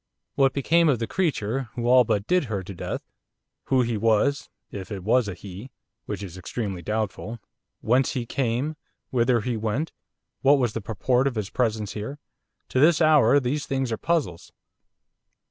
What became of the creature who all but did her to death; who he was if it was a 'he,' which is extremely doubtful; whence he came; whither he went; what was the purport of his presence here, to this hour these things are puzzles.